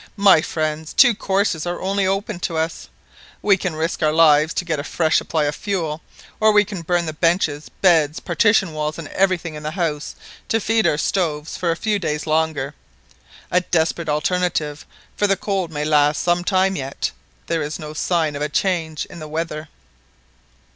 "My friends, two courses only are open to us, we can risk our lives to get a fresh supply of fuel, or we can burn the benches, beds, partition walls, and everything in the house to feed our stoves for a few days longer. A desperate alternative, for the cold may last for some time yet; there is no sign of a change in the weather."